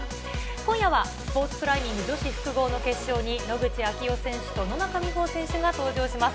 今夜は、スポーツクライミング女子複合の決勝に、野口啓代選手と野中生萌選手が登場します。